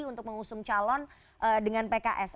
untuk mengusung calon dengan pks